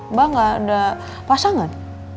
mbak gak ada pasangan